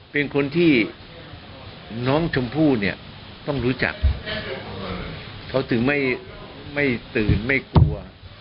เป็นคนที่น้องชมพู่เนี่ยต้องรู้จักเขาถึงไม่ตื่นไม่กลัว